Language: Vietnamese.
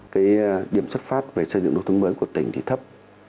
cái điểm xuất phát về xây dựng nông thôn mới của tỉnh thì thấp